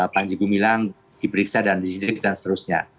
panjegu milang diperiksa dan disidik dan seterusnya